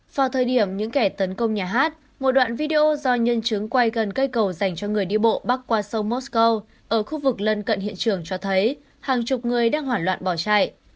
vào thời điểm những kẻ tấn công nhà hát một đoạn video do nhân chứng quay gần cây cầu dành cho người đi bộ bắc qua sông mosco ở khu vực lân cận hiện trường cho thấy hàng chục người đang hoảng loạn bỏ chạy